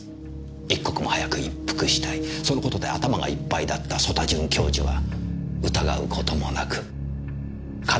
一刻も早く一服したいそのことで頭がいっぱいだった曽田准教授は疑うこともなく彼女の言葉に従った。